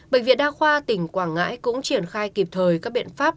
bệnh viện đa khoa tỉnh quảng ngãi cũng triển khai kịp thời các biện pháp